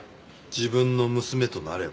自分の娘となれば。